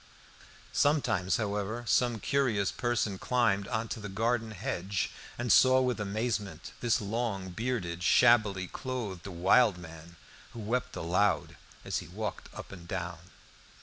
Sometimes, however, some curious person climbed on to the garden hedge, and saw with amazement this long bearded, shabbily clothed, wild man, who wept aloud as he walked up and down.